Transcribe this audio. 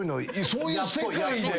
そういう世界で。